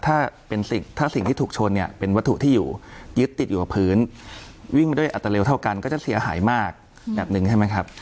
ถ้าสิ่งที่ถูกชนเนี่ยเป็นวัตถุที่อยู่ยึดติดอยู่กับพื้นวิ่งมาด้วยอัตเร็วเท่ากันก็จะเสียหายมากแบบหนึ่งใช่ไหมครับ